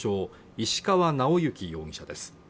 石川直之容疑者です